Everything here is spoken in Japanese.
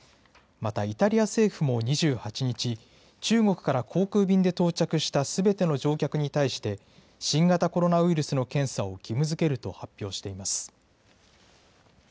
また、イタリア政府も２８日、中国から航空便で到着したすべての乗客に対して、新型コロナウイルスの検査を義務づけると発表しています。